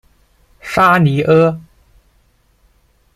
沙尼阿。